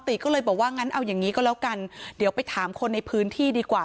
ติก็เลยบอกว่างั้นเอาอย่างนี้ก็แล้วกันเดี๋ยวไปถามคนในพื้นที่ดีกว่า